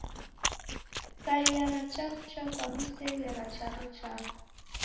Kukaia na chaw'ucha kwa misele ra charo chako.